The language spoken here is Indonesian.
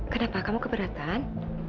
kenapa kamu keberatan